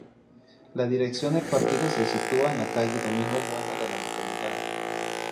La dirección del partido se sitúa en la Calle Domingo Bueno de la localidad.